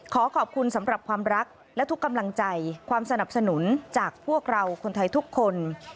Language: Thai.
ขอขอบคุณสำหรับความรักและทุกกำลังใจความสนับสนุนจากพวกเราคนไทยทุกคน